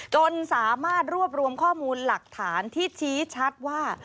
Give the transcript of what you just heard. จนสามารถรวบรวมข้อมูลหลักฐานที่ชี้ชัดว่า